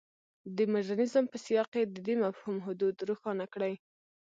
د مډرنیزم په سیاق کې د دې مفهوم حدود روښانه کړي.